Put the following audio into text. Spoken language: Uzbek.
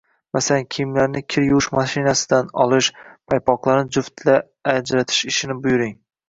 masalan kiyimlarni kir yuvish mashinasidan olish, paypoqlarni juftlarga ajratish ishini buyuring.